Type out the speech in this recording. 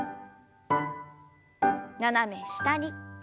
斜め下に。